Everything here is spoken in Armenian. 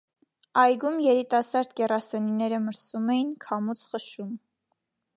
Այգում երիտասարդ կեռասենիները մրսում էին, քամուց խշշում: